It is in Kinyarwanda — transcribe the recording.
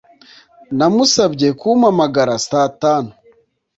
Namusabye kumpamagara saa tanu.